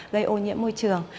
gây ô nhiễm môi trường